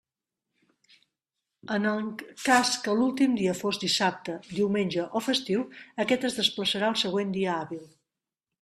En el cas que l'últim dia fos dissabte, diumenge o festiu, aquest es desplaçarà al següent dia hàbil.